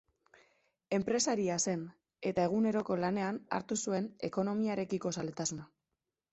Enpresaria zen, eta eguneroko lanean hartu zuen ekonomiarekiko zaletasuna.